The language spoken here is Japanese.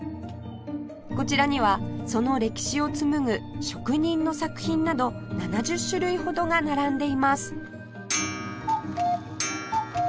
こちらにはその歴史を紡ぐ職人の作品など７０種類ほどが並んでいます